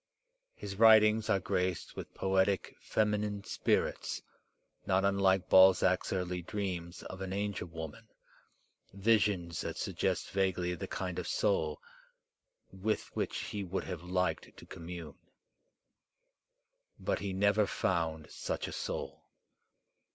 His writ ings are graced with poetic feminine spirits, not unlike Balzac's early dreams of an angel woman, visions that sug gest vaguely the kind of soul with which he would have liked to commune. But he never found such a soul.